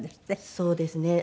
そうですね。